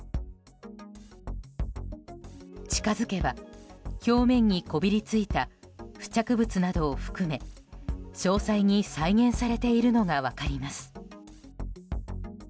近づけば、表面にこびりついた付着物などを含め詳細に再現されているのが分かります。